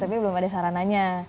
tapi belum ada sarananya